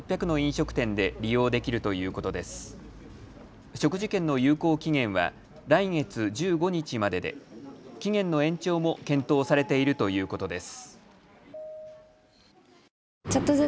食事券の有効期限は来月１５日までで期限の延長も検討されているということです。